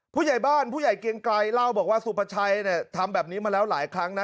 ผู้ใหญ่บ้านผู้ใหญ่เกียงไกรเล่าบอกว่าสุภาชัยทำแบบนี้มาแล้วหลายครั้งนะ